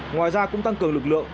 ngoài ra cũng tăng cường lực lượng